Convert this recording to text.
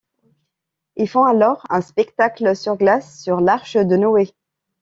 Ils font alors un spectacle sur glace sur l'arche de Noé.